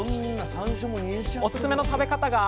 おすすめの食べ方が！